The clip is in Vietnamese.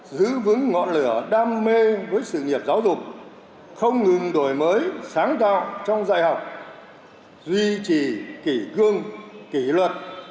giữ vững ngọn lửa đam mê với sự nghiệp giáo dục không ngừng đổi mới sáng tạo trong dạy học duy trì kỷ cương kỷ luật